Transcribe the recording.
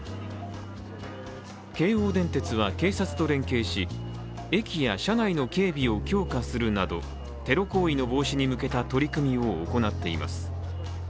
京王電鉄は警察と連携し、駅や車内の警備を強化するなどテロ行為の防止に向けた取り組みを行っています。